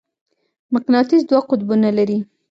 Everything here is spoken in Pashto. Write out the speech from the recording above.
مقناطیس دوه قطبونه لري.